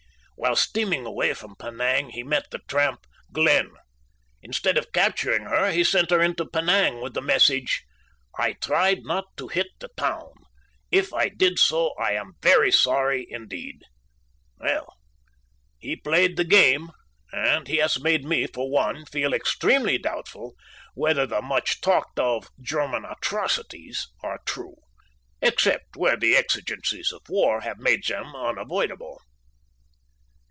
"While steaming away from Penang he met the tramp Glen. Instead of capturing her, he sent her into Penang with the message: 'I tried not to hit the town. If I did so, I am very sorry, indeed.' Well, he 'played the game,' and he has made me, for one, feel extremely doubtful whether the much talked of German 'atrocities' are true, except where the exigencies of war have made them unavoidable."